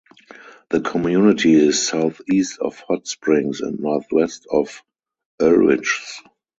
The community is southeast of Hot Springs and northwest of Oelrichs.